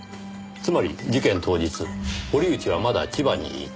つまり事件当日堀内はまだ千葉にいた。